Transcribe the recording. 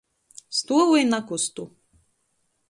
Stuovu i nakustu.